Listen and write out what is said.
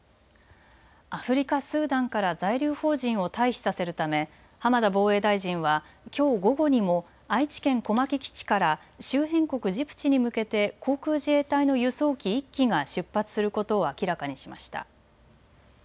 アフリカ・スーダンから在留邦人を退避させるため浜田防衛大臣はきょう午後にも愛知県小牧基地から周辺国ジブチに向けて航空自衛隊の輸送機１機が出発することを明らかにしました。